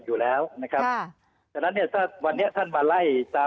อยู่แล้วนะครับค่ะฉะนั้นเนี่ยถ้าวันนี้ท่านมาไล่ตาม